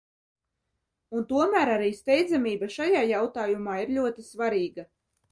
Un tomēr arī steidzamība šajā jautājumā ir ļoti svarīga.